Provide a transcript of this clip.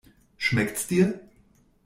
Schmeckt's dir?